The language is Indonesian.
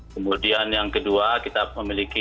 kemudian yang kedua kita memiliki